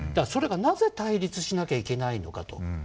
それがなぜ対立しなきゃいけないのかと。